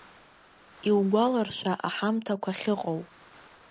Иугәаларшәа аҳамҭақәа ахьыҟоу.